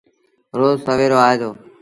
روز سويرو آئي دو۔